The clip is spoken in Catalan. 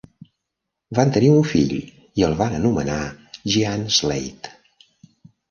Van tenir un fill i el van anomenar Jean Slade.